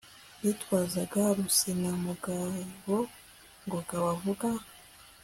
nitwaza Rusenamugabo Ngoga bavuga